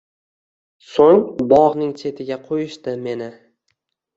So’ng bog’ning chetiga qo’yishdi meni.